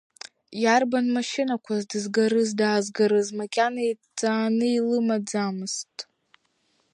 Иарбан машьынақәаз дызгарыз-даазгарыз макьана иҭҵааны илымаӡамызт.